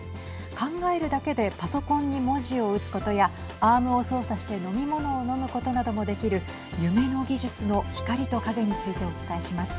考えるだけでパソコンに文字を打つことやアームを操作して飲み物を飲むことなどもできる夢の技術の光と影についてお伝えします。